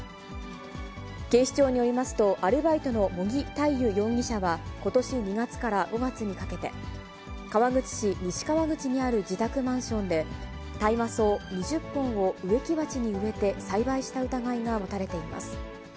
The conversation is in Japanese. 警視庁によりますと、アルバイトの茂木大勇容疑者はことし２月から５月にかけて、川口市西川口にある自宅マンションで、大麻草２０本を植木鉢に植えて栽培した疑いが持たれています。